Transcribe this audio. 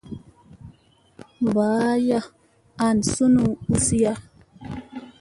Mba aya, an sunuŋ uziya.